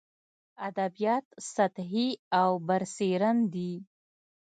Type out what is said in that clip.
ادبیات سطحي او برسېرن دي.